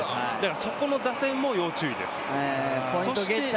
そこの打線も要注意です。